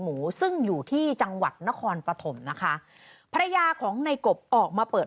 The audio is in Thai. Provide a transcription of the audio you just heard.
หมูซึ่งอยู่ที่จังหวัดนครปฐมนะคะภรรยาของในกบออกมาเปิด